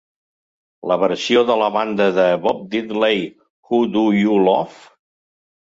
La versió de la banda de Bo Diddley, Who Do You Love?